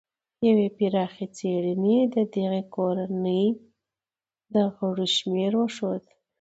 یوې پراخې څېړنې د دغې کورنۍ د غړو شمېر وښود.